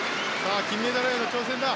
金メダルへの挑戦だ！